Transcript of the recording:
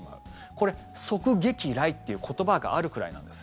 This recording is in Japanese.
これ、側撃雷っていう言葉があるくらいなんです。